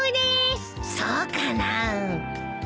そうかなあ。